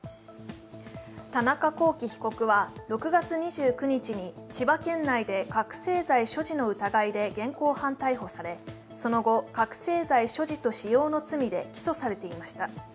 田中聖被告は６月２９日に千葉県内で覚醒剤所持の疑いで現行犯逮捕ささ、その後、覚醒剤所持と使用の罪で起訴されていました。